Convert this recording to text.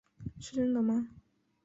是真的吗？